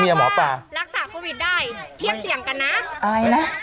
ที่ยังว่ารักษาโควิดได้เทียบเสี่ยงกันนะ